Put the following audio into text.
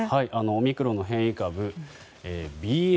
オミクロンの変異株ＢＡ．２．７５